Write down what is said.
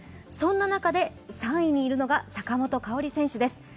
そんな中で３位にいるのが坂本花織選手です。